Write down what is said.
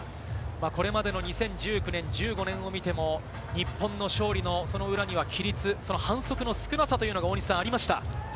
これまでの２０１９年、１５年を見ても、日本の勝利のその裏には規律、その反則の少なさというのが大西さん、ありました。